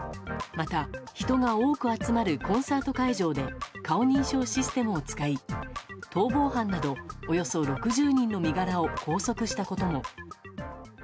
また、人が多く集まるコンサート会場で顔認証システムを使い逃亡犯などおよそ６０人の身柄を拘束したことも。